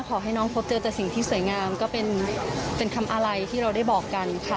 ขอให้น้องพบเจอแต่สิ่งที่สวยงามก็เป็นคำอะไรที่เราได้บอกกันค่ะ